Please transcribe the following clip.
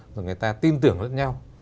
rồi người ta tin tưởng lẫn nhau